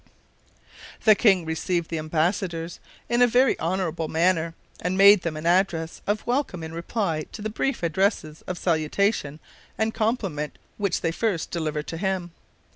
The king received the embassadors in a very honorable manner, and made them an address of welcome in reply to the brief addresses of salutation and compliment which they first delivered to him.